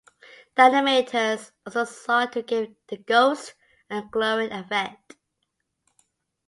The animators also sought to give the ghosts a glowing affect.